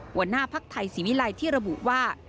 หัวหน้าพักไทยสิวิไลที่ระบุว่า